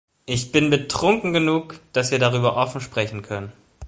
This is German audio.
Ich bin betrunken genug, dass wir darüber offen sprechen können.